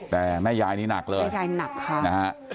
แต่แม่ยายนี่หนักเลยค่ะ